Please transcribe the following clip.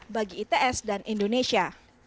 bagi its dan indonesia